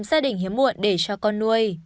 gia đình hiếm muộn để cho con nuôi